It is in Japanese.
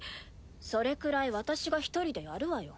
それくらい私が一人でやるわよ。